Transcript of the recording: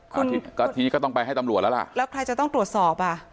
ก็ทีนี้ก็ต้องไปให้ตำรวจแล้วล่ะแล้วใครจะต้องตรวจสอบอ่ะ